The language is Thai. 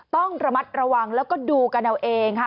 ต้องระมัดระวังแล้วก็ดูกันเอาเองค่ะ